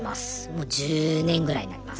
もう１０年ぐらいになりますね。